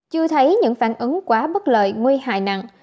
chưa thấy những phản ứng quá bất lợi nguy hại nặng